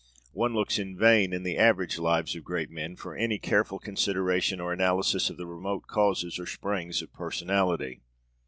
One looks in vain in the average Lives of great men for any careful consideration or analysis of the remote causes or springs of personality.